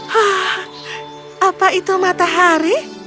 hah apa itu matahari